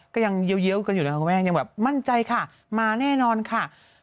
ก็ยังเยี้ยวกันอยู่นะคะคุณแม่ยังแบบมั่นใจค่ะมาแน่นอนค่ะ